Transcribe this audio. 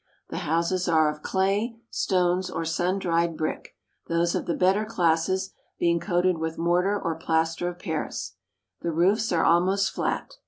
The houses are of clay, stones, or sun dried brick, those of the better classes being coated with mortar or plaster of Paris. The roofs are almost flat.